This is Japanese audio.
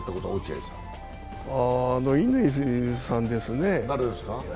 乾さんですね。